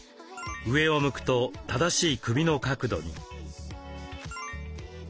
上を向くと正しい首の角度に。